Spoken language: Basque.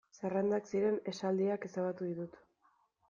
Zerrendak ziren esaldiak ezabatu ditut.